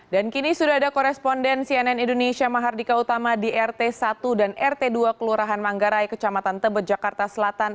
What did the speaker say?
dan kini sudah ada koresponden cnn indonesia mahardika utama di rt satu dan rt dua kelurahan manggarai kecamatan tebet jakarta selatan